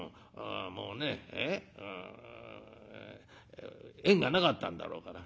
もうね縁がなかったんだろうから。